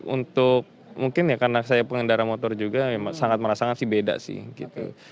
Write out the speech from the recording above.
untuk mungkin ya karena saya pengendara motor juga sangat merasakan sih beda sih gitu